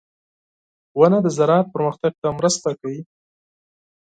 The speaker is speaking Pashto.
• ونه د زراعت پرمختګ ته مرسته کوي.